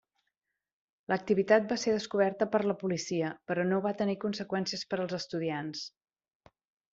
L'activitat va ser descoberta per la policia, però no va tenir conseqüències per als estudiants.